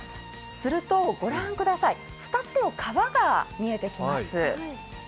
ご覧ください、２つの川が見えてきます。